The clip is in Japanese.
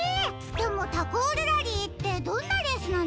でもタコールラリーってどんなレースなんですか？